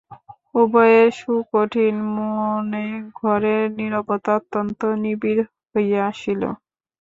উভয়ের সুকঠিন মৌনে ঘরের নীরবতা অত্যন্ত নিবিড় হইয়া আসিল।